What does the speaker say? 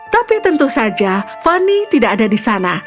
tapi tentu saja fani tidak ada di sana